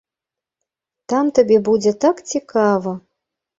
Там табе будзе так цікава!